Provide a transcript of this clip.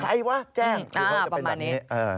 ใครวะแจ้งคือเขาจะเป็นแบบนี้